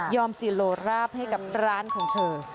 ยอมสิโรราฟให้กับร้านของเธอ